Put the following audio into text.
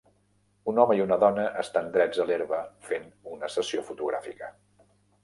Un home i una dona estan drets a l'herba fent una sessió fotogràfica.